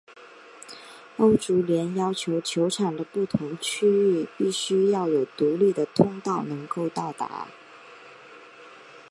欧足联要求球场的不同区域必须要有独立的通道能够到达。